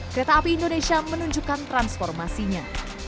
kereta api indonesia menunjukkan transformasinya